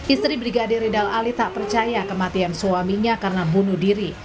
istri brigadir ridal ali tak percaya kematian suaminya karena bunuh diri